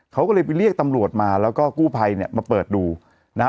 เขาก็เลยไปเรียกตำรวจมาแล้วก็กู้ภัยเนี่ยมาเปิดดูนะฮะ